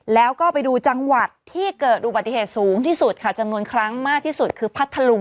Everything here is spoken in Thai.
แล้วก็ไปดูจังหวัดที่เกิดอุบัติเหตุสูงที่สุดค่ะจำนวนครั้งมากที่สุดคือพัทธลุง